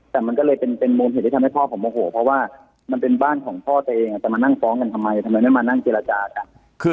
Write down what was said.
แต่มันก็เลยเป็นมูลเหตุที่ทำให้พ่อผมโมโหเพราะว่ามันเป็นบ้านของพ่อตัวเองจะมานั่งฟ้องกันทำไมทำไมไม่มานั่งเจรจากัน